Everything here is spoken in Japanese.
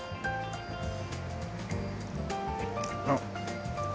あっ。